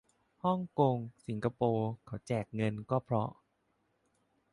ฮ่องกง สิงคโปร์ เขาแจกเงิน ก็เพราะ